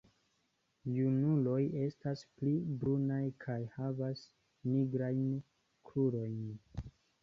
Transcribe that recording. Junuloj estas pli brunaj kaj havas nigrajn krurojn.